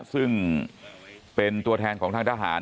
ซึ่งเป็นตัวแทนของทางทหาร